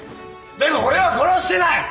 でも俺は殺してない！